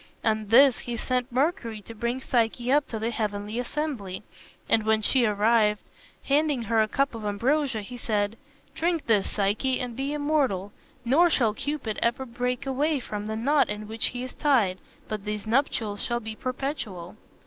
On this he sent Mercury to bring Psyche up to the heavenly assembly, and when she arrived, handing her a cup of ambrosia, he said, "Drink this, Psyche, and be immortal; nor shall Cupid ever break away from the knot in which he is tied, but these nuptials shall be perpetual."